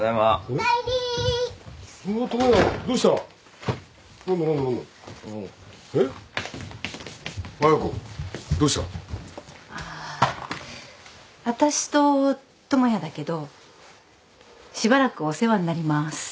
あっわたしと智也だけどしばらくお世話になります。